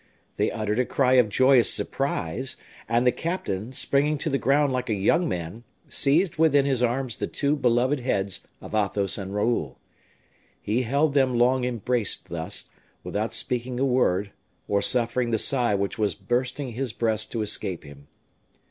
They uttered a cry of joyous surprise; and the captain, springing to the ground like a young man, seized within his arms the two beloved heads of Athos and Raoul. He held them long embraced thus, without speaking a word, or suffering the sigh which was bursting his breast to escape him.